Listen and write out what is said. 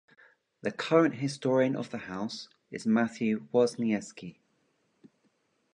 The current Historian of the House is Matthew Wasniewski.